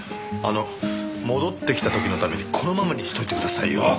あの戻ってきた時のためにこのままにしておいてくださいよ。